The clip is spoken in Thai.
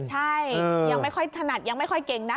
ใช่ยังไม่ค่อยถนัดยังไม่ค่อยเก่งนัก